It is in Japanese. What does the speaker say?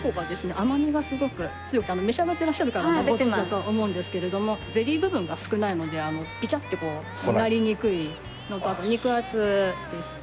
甘みがすごく強くて召し上がってらっしゃるからご存じだとは思うんですけれどもゼリー部分が少ないのでビチャってこうなりにくいのとあと肉厚ですね。